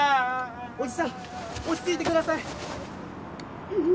おじさん落ち着いて下さい！